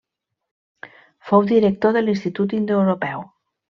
Fou director de l'Institut indoeuropeu.